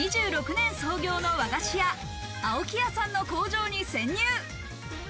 明治２６年創業の和菓子屋、青木屋さんの工場に潜入。